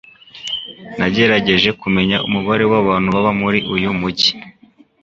Nagerageje kumenya umubare wabantu baba muri uyu mujyi.